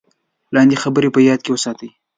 لاندې خبرې په یاد کې وساتئ: